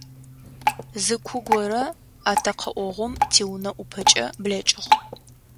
Зы ку горэ атэкъэӏогъум тиунэ ӏупэкӏэ блэкӏыгъ.